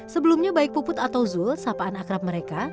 sebelumnya baik puput atau zulf sahabat anak rap mereka